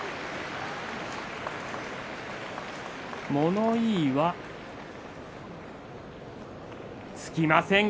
物言いはつきません。